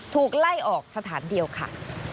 ถูกไล่ออกสถานเดียวค่ะ